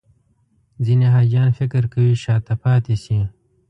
ځینې حاجیان فکر کوي شاته پاتې شي.